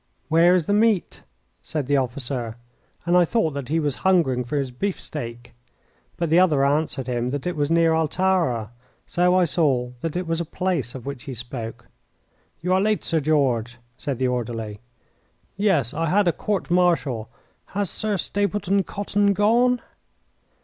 "Where is the meet?" said the officer, and I thought that he was hungering for his bifstek. But the other answered him that it was near Altara, so I saw that it was a place of which he spoke. "You are late, Sir George," said the orderly. "Yes, I had a court martial. Has Sir Stapleton Cotton gone?"